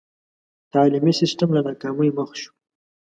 تعلیمي سسټم له ناکامۍ مخ شو.